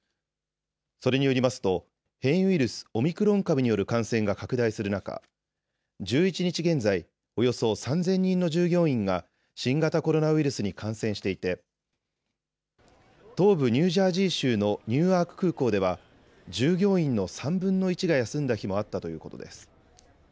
それによりますと変異ウイルス、オミクロン株による感染が拡大する中、１１日現在、およそ３０００人の従業員が新型コロナウイルスに感染していて東部ニュージャージー州のニューアーク空港では従業員の３分の１が休んだ日もあったということです。